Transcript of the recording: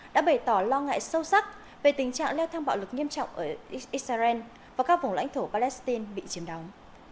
đã bày tỏ lo ngại sâu sắc về tình trạng leo thang bạo lực nghiêm trọng ở israel và các vùng lãnh thổ palestine bị chiếm đóng